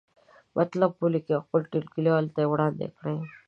مطلب ولیکئ او خپلو ټولګیوالو ته یې وړاندې کړئ.